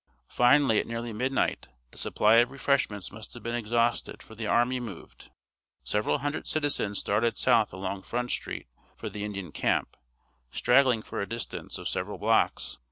Finally at nearly midnight the supply of refreshments must have been exhausted for the army moved. Several hundred citizens started south along Front Street for the Indian camp, straggling for a distance of several blocks.